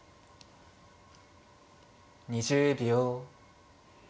２０秒。